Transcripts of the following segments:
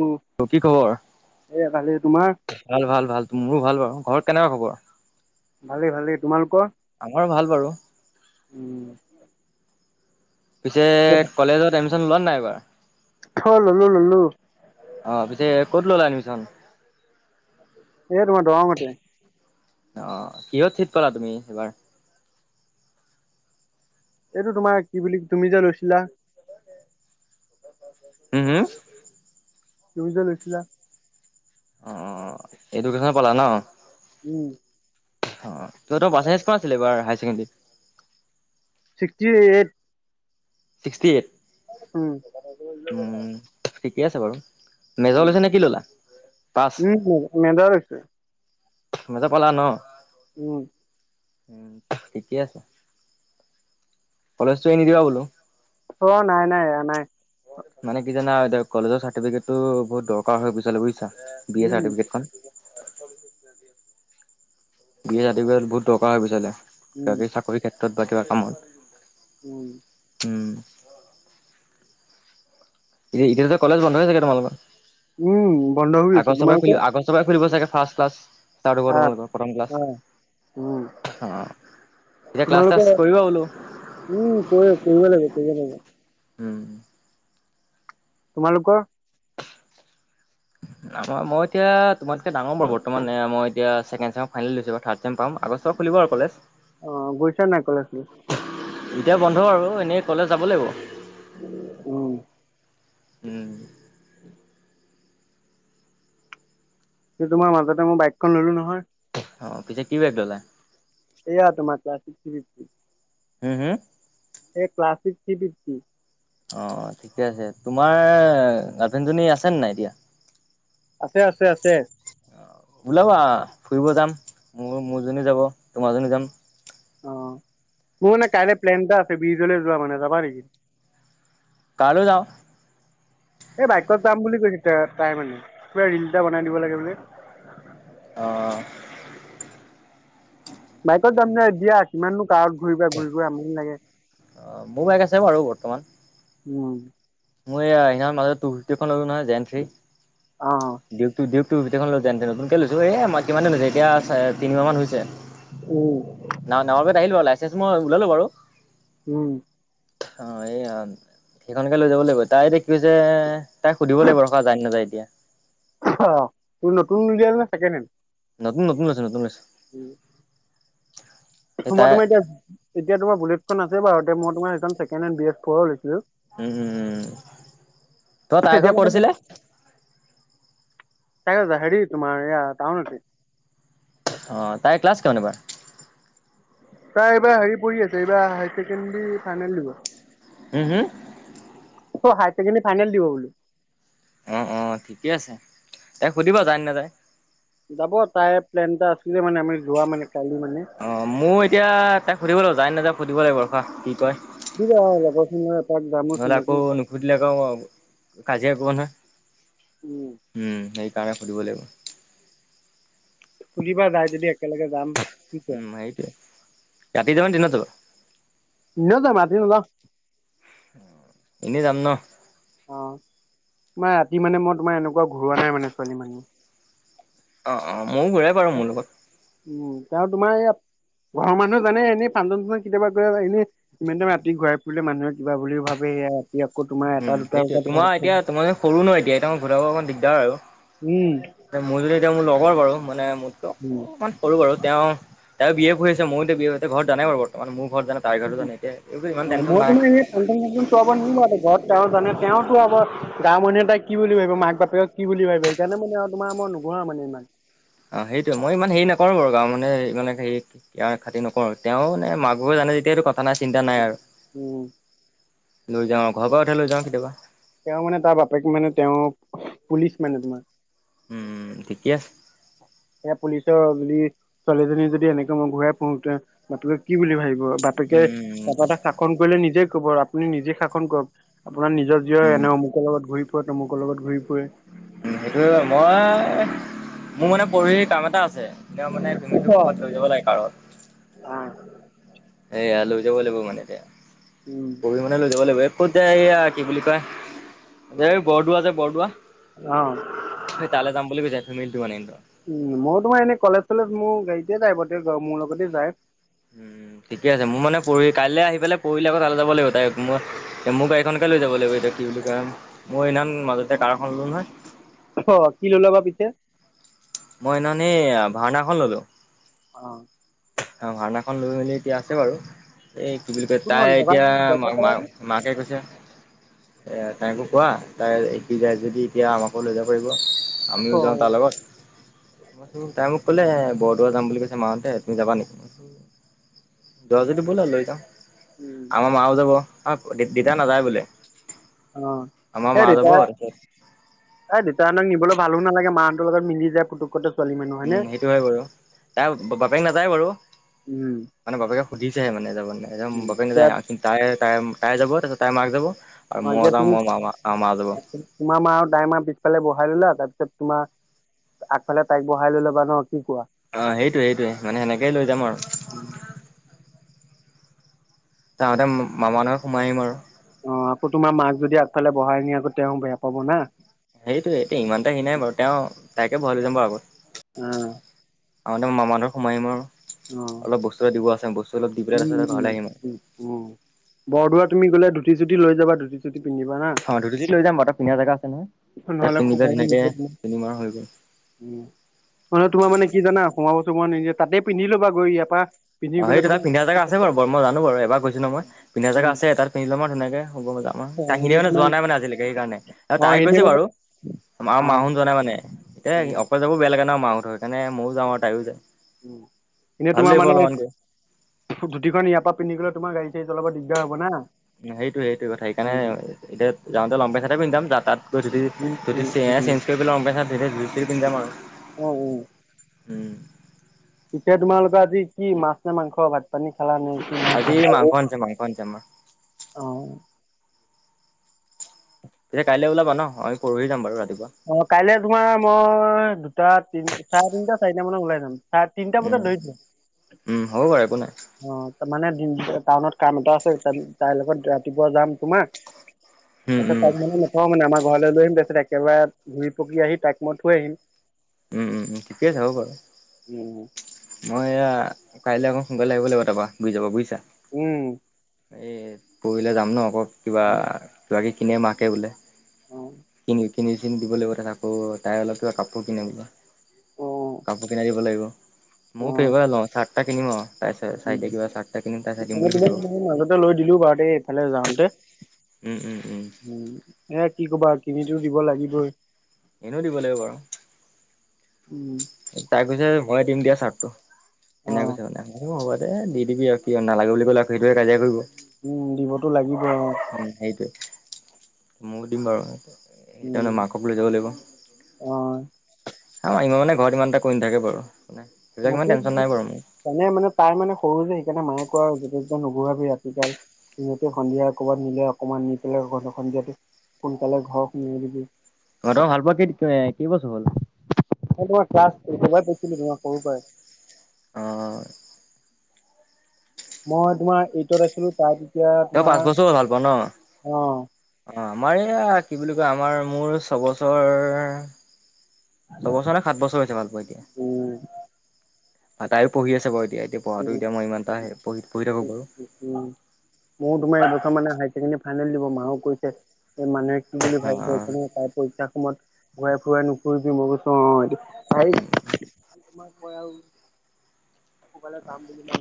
অ কি খবৰ এই ভালেই তোমাৰ। ভাল ভাল ভাল মোৰো ভাল বাৰু ঘৰত কেনেকুৱা খবৰ। ভালেই ভালেই তোমালোকৰ আমাৰো ভাল বাৰু উ। পিছে কলেজত এডমিশন লোৱা নাই বাৰ। অ ল'লো ললো। অ পিছে ক'ত ল'লা এডমিচন। এই তোমাৰ দৰঙতে অ কিহত চিত পালা তুমি এইবাৰ। এইটো তোমাৰ কি বুলি তুমি যে লৈছিলা। উম হুম। তু যে লৈছিলা। অ এডুকেচনত পালা ন উম। অ তহতৰ বা কোৱা আছিলে এইবাৰ হায় secondary. Sixty eight. Sixty eight. উম। উম ঠিকে আছে বাৰু। মেজৰ লৈছা নে কি ললা পাঁচ। উম মেজৰ লৈছে মেজৰ পালা ন। উম উম ঠিকে আছে। কলেজটো এৰি নিদিবা বোলো। অ নাই নাই এয়া নাই। মানে কি জানা এতিয়া কলেজৰ চাৰ্টিফিকেট টো বহুত দৰকাৰ হয় পিছলে বুজিছা বি এ উম চাৰ্টিফিকেট খন। বি এ চাৰ্টিফিকেট বহুত দৰকাৰ হয় পিছলে উম কিবাকিবি চাকৰিৰ ক্ষেত্ৰত বা কিবা কামত। উম উম। তি এতিয়াটো কলেজ বন্ধই চাগে উম বন্ধ হৈ তোমালোকৰ আছে আগষ্টৰ পৰা তোমালোকৰ খুলিব আগষ্ট এইবাৰ খুলিব চাগে ফাৰ্ষ্টা ক্লাছ ষ্টাৰ্ট হব আহ তোমালোকৰ প্ৰথম ক্লাছ। আহ উম অ এতিয়া ক্লাছ ত্লাচ তোমালোকৰ কৰিবা বোলো। উম কৰিব কৰিব লাগিব কৰিব লাগিব। উম। তোমালোকৰ? মই এতিয়া তোমাতকে ডাঙৰ বাৰু বৰ্তমান মই এতিয়া ছেকেণ্ড ছেমৰ ফাইনেল দিছোঁ থাৰ্ড ছেম পাম আগষ্টত খুলিব আৰু কলেজ। অ গৈছা নাই কলেজ। এতিয়া বন্ধ আৰু এনেই কলেজ যাব লাগিব। উম। উম। এইটো তোমাৰ মাজতে মই বাইকখন ললো নহয়। অ পিছে কি বাইক ললা? এইয়া তোমাৰ ক্লাছিক থ্ৰী ফিফটি। হুম হুম। এই ক্লাছিক থ্ৰী ফিফটি। অ অ ঠিকে আছে। তোমাৰ গাৰ্লফ্ৰেণ্ড জনী আছে নে নাই এতিয়া? আছে আছে আছে। ওলাবা ফুৰিব যাম মোৰ মোৰজনী যাব তোমাৰজনী যাম। অ মোৰ মানে কাইলৈ প্লেন এটা আছে বীজলৈ যোৱা মানে যাবা নেকি? কাইলৈ যাওঁ। এই বাইকত যাম বুলি কৈছে এয়া তাই মানে কিবা ৰিলচ এটা বনাই দিব লাগে বোলে। অ। বাইকত যাম যে এতিয়া। কিমানো গাৱত ঘূৰিবা ঘূৰি ঘূৰি আমনি লাগে। অ' মোৰ বাইক আছে বাৰু বৰ্তমান উম। মই এয়া সেইদিনা মাজত টো টোক দুগি এখন ল'লো নহয় জেন থ্ৰী। অ। দিউগ টো টো ফিফটি এখন লৈছোঁ নতুনকে লৈছো এ কিমান দিন লৈ হৈছে এতিয়া তিনিমাহ মান হৈছে। উম। না নাম্বাৰ প্লেট আহিল বাৰু লাইচেঞ্চ মই ওলালোঁ বাৰু। উম। অ এইয়া। সেইখনকে লৈ যাব লাগিব তাই এতিয়া কিহত যাই তাইক সুধিব লাগিব ৰখা যায় নে নাযায় এতিয়া। অ নতুন উলিয়ালা নে ছেকেণ্ড হেণ্ড। নতুন নতুন আছে নতুন আছে। উম। সেই মই তাই তোমাৰ এতিয়া এতিয়া তোমাৰ বুলেটখন আছে বাৰু এয়া মই তোমাৰ second hand B S four খন লৈছিলোঁ। উম ত তাইৰ এতিয়া ঘৰ ক'ত মানে আছিলে? তাই হেৰি তোমাৰ এইয়া টাউনতে। অ তাই ক্লাছ কিমান এবাৰ? তাৰ এইবাৰ হেৰি পঢ়ি আছে। এইবাৰ হাই ছেকেণ্ডেৰী ফাইনেল দিব। উম হুম। অ হায় ছেকেণ্ডেৰি ফাইনেল দিব বুলো। অঁ অঁ ঠিকে আছে ত সুধিব যায় নেযায় যাব তাই প্লেন এটা আছিলে মানে আমি যোৱা মানে কালি মানে। অঁ মোৰ এতিয়া তাইক সুধিব লাগিব। যায় নাযায় সুধিব লাগিব বৰষা কি কয় অ দিবা লগৰ চই এপাক জামো চিনাকি। এইবিলাকৰ কাজিয়া কৰিব উম নহয়। সেইকাৰণে সুধিব লাগিব। সুধিবা যায় যদি একেলগে যাম। কি কোৱা উম সেইটোৱে ৰাতি যাবা নে দিনত যাব। এনেও যাম ৰাতি নাযাওঁ এনেই যাম ন। অ তোমাৰ ৰাতি মানে মই তোমাৰ এনেকুৱা ঘূৰুৱা নাই মানে ছোৱালী মানুহে। অ অ মইয়ো ঘূৰাই বাৰু মোৰ লগত। উম তেওঁ তোমাৰ এইাত ঘৰৰ মানুহ জানে এনেই ফাঞ্চন চানচন কেতিয়াবা গৈ এনেই। ইমান টাইম ৰাতিপুৱাই ফুৰিলে মানুহে কিবা বুলি ভাবে ইয়াত। ই আকৌ তোমাৰ। এটা উম' দুটা সেইটোৱে, বজাত তোমাৰ ঘৰত এতিয়া তোমালোক সৰু ন এতিয়া। সেই টাইমত ঘূৰাব অকণমান দিগদাৰ হয় আৰু। উম। মই যদি এতিয়া মোৰ লগৰ বাৰু, মানে মো উম'। অকমান সৰুো বাৰু, তেওঁ বি এ পঢ়ি আছে, মইও এতিয়া বি এ, ঘৰত জানে বাৰু বৰ্তমান, মোৰ ঘৰত জানে। তাই ঘৰটো জানে এতিয়া, এইবোৰ ইমান অ টেনচন মই নাই। [unintelligible] ঘৰত তেওঁ জানে, তেওঁ কি হ'ব, গাঁও মানুহে তাইক কি বুলি ভাবিব, মাক বাপেক। কি বুলি ভাবিব, সেইকাৰণে মানে আৰু তোমাৰ মই নুঘোৰাও মানে ইমান। অ' সেইটোৱে মই ইমান হেৰি নকৰো বাৰু, গাঁৱৰ মানুহে ইমান খাতি নকৰো। তেওঁ মানে মাক- বাপেকে জানে যেতিয়া সেইটো চিন্তা নাই আৰু, উম লৈ যাওঁ, ঘৰ পা উঠাই লৈ যাওঁ কেতিয়াবা। তেওঁ মানে, তাৰ বাপেক মানে তেওঁ পুলিচ মানে তোমাৰ। উম' ঠিকে আছে। এয়া পুলিচৰ যদি ছোৱালীজনী যদি এনেকে মূৰ ঘূৰাই পৰোতে, বাপেকে কি বুলি ভাবিব। বাপেকে উম তাপা তাক শাসন কৰিলে, নিজে ক'ব আপুনি নিজে শাসন কৰক, আপোনাৰ নিজৰ জীয়েও উম এনেও অমুকৰ লগত ঘূৰি ফৰে, তমুকৰ লগত ঘূৰি ফুৰে। সেইটোৱে মই মোৰ মানে পৰহি কাম এটা আছে। তেওঁ মানে ফেমিলি টোক ক'বাত লৈ যাব লাগে, কাৰত। অ'। এইয়া লৈ যাব লাগিব মানে এতিয়া, উম পৰহি মানে লৈ যাব লাগিব। এই ক'ত যায়, এইয়া কি বুলি কয়। যে বৰদোৱা যে, বৰদোৱা। অ সেই তালে যাম বুলি ভাবিছে, ফেমেলিটো মানে ইহঁতৰ। উম' মই তোমাৰ এনে কলেজ, চলেজ মোৰ গাড়ীতে যায় বাও, মোৰ লগতে যায়। উম ঠিকে আছে, মোৰ মানে পৰহি, কাইলে আহি পেলাই পৰহিলে আকৌ তালে যাব লাগিব, তাইক মই। মোৰ গাড়ীখনকে লৈ যাব লাগিব এতিয়া, কি বুলি কয়, মোৰ সেইদিনাখন মাজতে কাৰখন ল'লো নহয়। অ' কি ল'লা বা পিছে? মই সেইদিনাখনি ভাৰ্ণা এখন ললোঁ। [inaudible] অ' ভাৰ্ণাখন লৈ মেলি এতিয়া আছে বাৰু। এই কি বুলি কয়, কোনখন তাই বগা এতিয়া বগা মা মা কালাৰ নে? মাকে কৈছে, এ তাইকো কোৱা, তাই স্কুল যায় যদি এতিয়া আমাক আমাকো লৈ যাব পাৰিব। আমিও যাওঁ অ', তাৰ লগত। তাই মোক ক'লে, বৰদোৱা যাম বুলি কৈছে মাহঁতে, তুমি যাবা নি? যোৱা যদি বলা লৈ যাওঁ, উম, আমাৰ মাও যাব। আক দেত দেতা নেযায় বোলে, অ'। আমাৰ 'মা' যাব। এ দেউাহঁতক নিবলে ভালো নালাগে, মাহঁতৰ লগত মিলি যায়, পুটোক কটক কলি মানু্হ। উম' সেইটো হয় বাৰু, তাৰ বাপেক নাযায় বাৰু। উম'। মানে বাপেকে সুধিছেহে মানে যাব, নাযায়, উম, বাপেক এতিয়া নাযায় তাই, তাই, তাই যাব, তাৰপিছত তাই মাক যাব, আৰু অ', মই এতিয়া যাওঁ, তুমি মই মামা 'মা' যাব। তোমাৰ 'মা' আৰু তাই 'মা' পিছফালে বহাই ল'লা, তাৰপিছত তোমাৰ আগফালে তাইক বহাই লৈ ল'বা ন, কি কোৱা? অ' সেইটোয়ে, সেইটোয়ে, মানে সেনেকেই লৈ যাম আৰু। আহোঁতে মামাহত সোমাই আহিম আৰু। অ আকৌ তোমাৰ মাক যদি আগফালে বহাই নিয়া আকৌ তেওঁ বেয়া পাব না। সেইটোয়ে এতিয়া ইমানতে সি নাই বাৰু। তেওঁ তাইকে বহাই লৈ যাম বাৰু আগত। অ। আহোঁতে মামাহতত সোমাই আহিম আৰু। অ। বস্তুৱেই দিব আছে, বস্তু অলপ পেলাই উম, তাৰপিছত উম, ঘৰ আহিম আৰু। উম, উম বৰদোৱা তুমি গ'লে ধুতি-চুতি লৈ যাবা ধুতি-চুটি পিন্ধিবা হা। অ ধুতি চুটি লৈ যাম বাৰু তাত পিন্ধা জগা আছে নহয়। তাত নহ'লে পিন্ধি ফালে ধুনিয়াকে পিন্ধিম আৰু হৈ গ'ল। উ মানে তোমাৰ মানে কি জানা, সোমাব চোমাৱ নিদিয়ে তাতে পিন্ধি লবা গৈ ইয়াৰ পৰা। পিন্ধি অ গ'লে সেইটোত, তাত‌ তোমাৰ পিন্ধা জেগা আছে বাৰু মই জানোঁ বাৰু। এবাৰ গৈছো ন মই পিন্ধা জেগা উম আছে তাত পিন্ধি লম আৰু ধুনীয়াকে‌ হ'ব যা [unintelligible] অ', এনে তাহিনে মানে তোমাৰ যোৱা নাই মানে আজিলৈকে সেইকাৰণে। আৰু অ তাই এনে গৈছে মানে বাৰু। অ মা-মাও যোৱা নাই। মানে এতিয়া উম অকলে যাবও বেয়া লাগে ন মা হঁতৰ সেইকাৰণে ময়ো যাওঁ আৰু তাইও যায়। এনে ভাল তোমাৰ লাগিব মানে অলপমান গৈ ধুতিখন ইয়াৰ পৰা পিন্ধি গ'লে তোমাৰ গাড়ী-চাড়ী চলাব দিগদাৰ হ'ব না। সেইটোৱে সেইটোৱে কথা। সেইকাৰণে উম এতিয়া যাওঁতে লংপেনট এটায়ে পিন্ধিম যাম। তাত-তাত গৈ ধুতি উম উম উম, [unintelligible] পিন্ধি যাম আৰু। অ অ অ। উম। ইতা তোমালোকৰ আজি কি মাছ নে মাংস? ভাত পানী খালা নেকি? আজি মাংস আনিছে মাংস আনিছে আমাৰ। অ তে কাইলৈ ওলাবা ন? আমি পৰহি যাম বাৰু ৰাতিপুৱা। অ কাইলে তোমাৰ মই দুটা তিনটা চাৰে তিনটা চাৰিটা মানত ওলাই যাম। চাৰে তিনিটা উম বজাত ধৰি [unintelligible] উম হ'ব বাৰু একো নাই অ তাৰ মানে দিন টাউনত কাম এটা আছে। তাদি তাইৰ লগত ৰাতিপুৱা যাম তোমাৰ উম তাৰপিছত উম তাইক মানে নথওঁ মানে আমাৰ ঘৰলৈ লৈ আহিম তাৰপিছত একেবাৰে ঘূৰি পকি আহি তাইক মই থৈ আহিম। উম উম ঠিকেই আছে, হ'ব বাৰু। মই এয়া কাইলৈ আকৌ সোনকালে আহিব লাগিব তাৰপৰা ঘুৰি যাব বুজিছা। উম। এই পৰহিলে যাম ন আকৌ কিবা কিবাকিবি কিনে মাকে বোলে। কিনি কিনি-চিনি দিব লাগিব। তাৰপিছত আকৌ তাইৰ অলপ কিবা কাপোৰ কিনে বোলে, অঁ কাপোৰ কিনি দিব লাগিব। ময়ো অঁ কিনিব লং চাৰ্ট এটা কিনিম আৰু। তাই চাই চাই-তাই কিবা চাৰ্ট এটা কিনিম তাই চাই দিম বুলি কৈছা তোমাক বাৰু। মাজতে লৈ দিলোঁ বাৰু দেই এইফালে যাওঁতে উম উম উম। এ কি ক'বা, কিনিতো দিব লাগিবই। এনেও দিব লাগিব বাৰু। উম। তাই কৈছে মই‌ দিম দিয়া চাৰ্টটো। এনে অঁ কৈছে মানে, মই বোলো হ'ব দে দি দিবি আৰু কিয় নালাগে বুলি ক'লে আৰু সেইটোৱে কাজিয়া কৰিব। উম দিবতো লাগিব। সেইটোৱে, ময়ো দিম বাৰু, সেইকাৰণে মাকক লৈ যাব লাগিব। অ। আমাৰ ইমান মানে ঘৰত ইমান এটা কৈ নথাকে বাৰু। সেইবিলাক ইমান মোকো। টেনচন নাই বাৰু মোৰ। এনে মানে তাই মানে সৰু যে সেইকাৰণে মায়ে কই আৰু য'তে ততে নুঘুৰাবি ৰাতি কাল। [unintelligible] সন্ধিয়া ক'ৰবাত নিলে অকমান নি পেলাই ঘৰ সন্ধিয়াটো সোনকালে ঘৰ সুমাই দিবি। তহঁতৰ ভাল পোৱা কি কেইবছৰ হ'ল? তোমাৰ ক্লাছ [unintelligible] অ। মই তোমাৰ এইটত আছিলো, তাই তেতিয়া তই পাঁচ বছৰ হ'ল ভাল পোৱা ন' তোমাৰ অ। অ, আমাৰ এইয়া কি বুলি কয়, আমাৰ মোৰ ছবছৰ ছবছৰ নে সাত বছৰ হৈছে ভাল পোৱা এতিয়া। উম, তাইয়ো পঢ়ি আছে বাৰু এতিয়া। এতিয়া পঢ়াটো উম। এতিয়া মই ইমান এটা হেৰি পঢ়ি থাকক বাৰু। উম, ময়ো তোমাৰ এবছৰ মানে হায় ছেকেণ্ডাৰী ফাইনেল দিব, মাও কৈছে মানে কি বুলি ভাবিব, অ' তাই পৰীক্ষাৰ সময়ত ঘূৰাই-ফুৰাই নুফুৰিবি। মই কৈছো অ।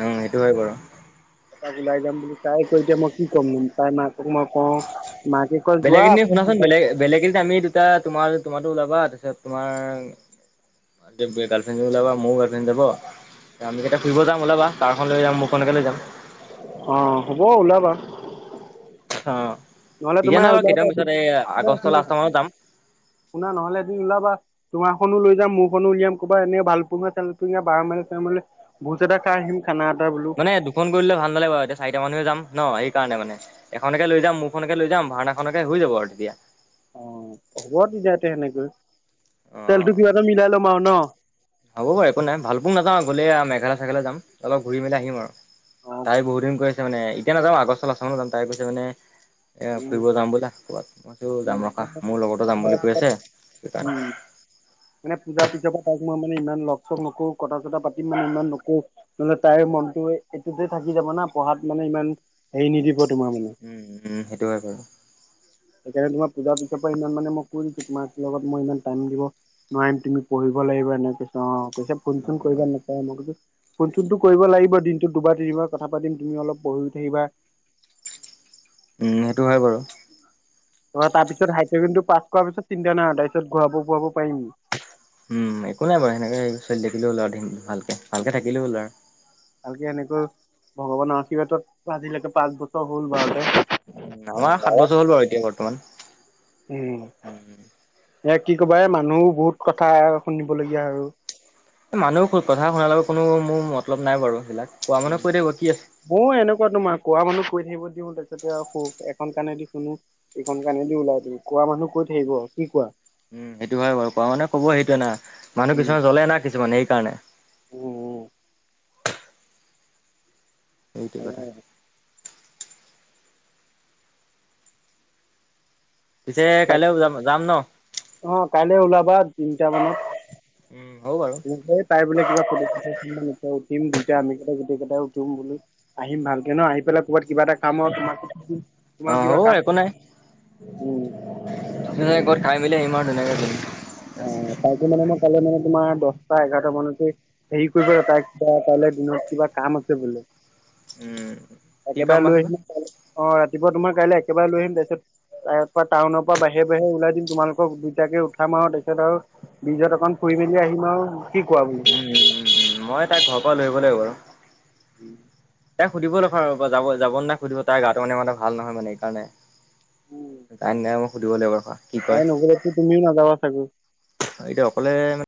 উম, সেইটো [unintelligible] হয় বাৰু এপাক ওলাই যাম বুলি তাই কৈ এতিয়া মই কি ক'ম, তাই মাক ক মই কওঁ, মাকে কয় বেলেগ যোৱা। এদিন শুনাচোন [unintelligible] বেলেগ বেলেগ এদিন আমি দুটা, তোমাৰ- তোমাৰো ওলাবা, তাৰপিছত তোমাৰ গাৰ্লফ্ৰেণ্ড [unintelligible] ওলাবা, মোৰো গাৰ্লফ্ৰেণ্ড যাব। আমি কেতা ফুৰিব যাম ওলাবা। কাৰখনো লৈ যাম, মোৰখনকে লৈ যাম। অ, হ'ব ওলাবা। অ, নহ'লে এতিয়া তোমাৰ নহয় বাৰু, ওলাবা কেইটামান পিছত, এই শুনা আগষ্টৰ শুনা লাষ্ট মানত যাম। শুনা নহ'লে এদিন ওলাবা। তোমাৰখনো লৈ যাম, মোৰখন উলিয়াবা কবা এনে ভালুকপুং-চালোকপুঙীয়া বাৰ মাইল-চাৰ মাইল যাম। ভোজ এটা খাই আহিম, খানা এটা বোলো। এ, দুখন কৰিলে ভালা নালাগিব, এতিয়া চাৰিটা মানুহে যাম ন, সেই কাৰণে মানে। এখনকে লৈ যাম, মোৰখনকে লৈ যাম, ভাওনাখনকে হৈ যাব আৰু তেতিয়া। অ হ'ব তেতিয়া তে সেনেকৈ। তেলটো উম। কিবা এটা মিলাই ল'ম আৰু ন অ হ'ব বাৰু একো নাই। ভালোকপুং নাযাওঁ, গ'লে মেঘালয়-চেঘালয় যাম, অলপ ঘূৰি-মেলি আহিম আৰু। তাই বহু দিন কৈছে মানে, এতিয়া নাযওঁ, আগষ্টৰ মানত যাম, তাই কৈছে মানে এ, ফুৰিব উম যাম বলা ক'ৰবাত। মই কৈছো যাম ৰখা, উম মোৰ লগতো যাম বুলি কৈ আছে, উম সেইকাৰণে মানে পূজাৰ পিছৰ পৰা তাইক মানে মই ইমান লগ-চগ নকৰোঁ, কথা-চথা পাতিম মানে, ইমান নকৰোঁ। [unintelligible] তাইৰ মনটো এইটোতে থাকি যাব না, পঢ়াত মানে ইমান হেৰি নিদিব তোমাৰ মানে। উম উম সেইটো হয় বাৰু সেইকাৰণে তোমাৰ পূজাৰ পিছৰ পৰা ইমান মানে মই কৈ দিছো, তোমাৰ লগত মই ইমান টাইম দিব নোৱাৰিম, তুমি পঢ়িব লাগিব এনেকে কৈছোঁ। অ, কৈছে, অ ফোন-চোন কৰিবা নে নকৰা? মই কৈছো ফোন-চোনটো কৰিব লাগিব, দিনটোত দুবাৰ-তিনিবাৰ কথা পাতিম, তুমি অলপ পঢ়ি থাকিবা। উম, সেইটো হয় বাৰু। তাৰপিছত, হায়া ছেকেণ্ডাৰী পাছ কৰা পিছত চিন্তা নাই আৰু, তাৰপিছত ঘুৰাব-ফুৰাব পাৰিম। উম, একো নাই বাৰু, সেনেকে চলি থাকিলেও হ'ল আৰু, [unintelligible] ভালকে থাকিলেই হ'ল আৰু। ভালকে এনেকৈ ভগৱানৰ আশীৰ্বাদত আজিলৈকে পাঁচ বছৰ হ'ল বাৰু। [unintelligible] আমাৰ সাত অ বছৰ হ'ল বাৰু এতিয়া বৰ্তমান। উম, উম। এ কি ক'বা এই, মানুহো বহুত কথা শুনিবলগীয়া [unintelligible] মানুহ কথা শুনাৰ লগত কোনো মোৰ মতলব নাই বাৰু সেইবিলাক, কোৱা মানুহে কৈ থাকিব কি আছে। ময়ো এনেকুৱা তোমাৰ, কোৱা মানুহ কৈ থাকিব দিও তাৰপিছতে আৰু এখন কাণেদি শুনো এখন কাণেদি ওলাই দিও, কোৱা মানুহ কৈ থাকিব, কি কোৱা? উম, সেইটো হয় বাৰু। কোৱা মানুহে ক'ব সেইটোৱে না! মানুহ কিছুমান জ্বলে না কিছুমান এইকাৰণে। উম। সেইটো এ কথা। পিছে কাইলৈ ও যাম, যাম ন? অ' কাইলৈ ওলাবা তিনিটা মানত উ'ম, হ'ব বাৰু। [unintelligible] আহিম ভালকে ন। আহি পেলাই ক'ৰবাত কিবা এটা খাম তোমাক তোমাৰ অ' কিবা হ'ব কা, উ'ম। কত খাই-মেলি আহিম আৰু ধুনীয়াকে ঘুৰিম। অ', তাকে মানে মই কাইলৈ মানে তোমাৰ দছটা এঘাৰটা মানতে হেৰি কৰিব ৰ, তাই কিবা কাইলে দিনত কিবা কাম আছে বোলে। উম। কি কাম একেবাৰে বা লৈ আছে বা আহিম। অ, ৰাতিপুৱা তোমাৰ কাইলৈ একেবাৰে লৈ আহিম তাৰপিছত তাৰ পৰা টাউনৰ পৰা বাহিৰে বাহিৰে ওলাই দিম। তোমালোকক দুইটাকে উঠাম আৰু তা তাৰপিছত আৰু ব্ৰীজত অকণ ফুৰি-মেলি আহিম আৰু, কি কোৱা বন্ধু? উ'ম, উ'ম, মই তাইক ঘৰৰ পৰা লৈ আহিব লাগিব বাৰু। উ'ম। তাইক সুধিব লাগিব ৰবা। যাব-যাব নে নাই সুধিব, তাইৰ গাটো মানে মানে ভাল নহয় মানে, এই কাৰণে। নাই, নাই মই সুধিব লাগিব ৰখা। কি তাই নগ'লেতো তুমিওঁ নাযাবা চাগে? আৰু এতিয়া অকলে মানে